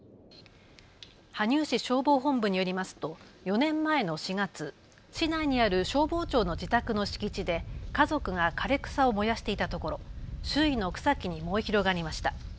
羽生市消防本部によりますと４年前の４月、市内にある消防長の自宅の敷地で家族が枯れ草を燃やしていたところ周囲の草木に燃え広がりました。